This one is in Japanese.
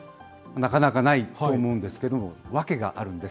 なかなかないと思うんですけれども、訳があるんです。